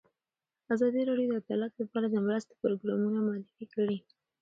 ازادي راډیو د عدالت لپاره د مرستو پروګرامونه معرفي کړي.